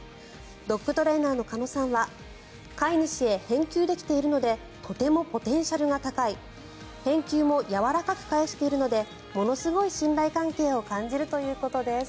ドッグトレーナーの鹿野さんは飼い主へ返球できているのでとてもポテンシャルが高い返球もやわらかく返しているのでものすごい信頼関係を感じるということです。